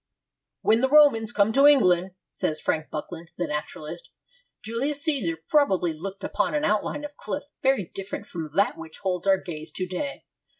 'When the Romans came to England,' says Frank Buckland, the naturalist, 'Julius Caesar probably looked upon an outline of cliff very different from that which holds our gaze to day.